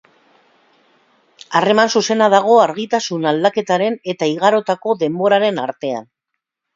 Harreman zuzena dago argitasun aldaketaren eta igarotako denboraren artean.